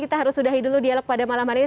kita harus sudahi dulu dialog pada malam hari ini